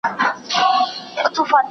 هغه هیڅکله بخل نه کاوه.